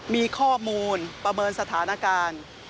มีข้อมูลประเมินสถานการณ์